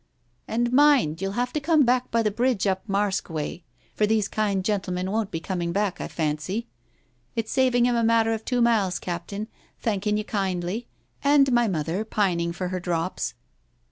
And, mind, you'll have to come back by the bridge up Marske way, for these kind gentle men won't be coming back, I fancy. It's saving him a matter of two miles, Captain, thanking you kindly, and my mother pining for her drops."